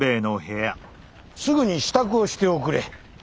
すぐに支度をしておくれ。